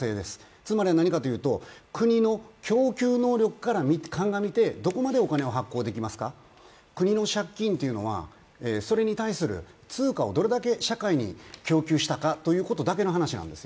つまり何かというと、国の供給能力からかんがみてどこまでお金を発行できますか、国の借金というのはそれに対する通貨をどれだけ社会に供給したかという話です